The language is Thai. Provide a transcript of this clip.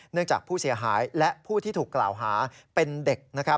จากผู้เสียหายและผู้ที่ถูกกล่าวหาเป็นเด็ก